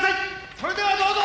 「それではどうぞ！